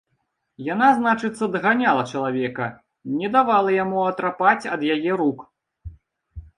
Яна, значыцца, даганяла чалавека, не давала яму атрапаць ад яе рук!